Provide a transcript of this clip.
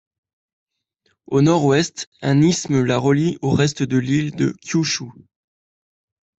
Au nord-ouest, un isthme la relie au reste de l'île de Kyūshū.